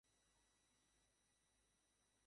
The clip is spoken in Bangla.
আমার আসল নাম রেহান কাদেরি।